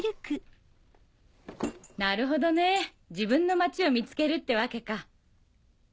なるほどね自分の町を見つけるってわけか。